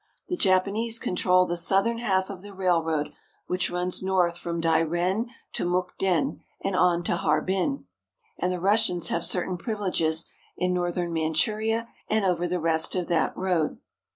The Japanese control the southern half of the railroad which runs north from Dairen to Mukden and on to Harbin ; and the Russians have certain privileges in northern Manchuria and over the rest of that road.